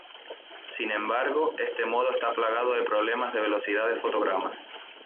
Sin embargo, este modo está plagado de problemas de velocidad de fotogramas.